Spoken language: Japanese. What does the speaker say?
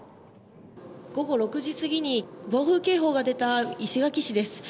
午後６時過ぎに暴風警報が出た石垣市です。